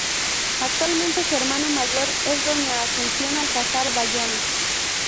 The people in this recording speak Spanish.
Actualmente su hermano mayor es doña Ascensión Alcazar Bayona.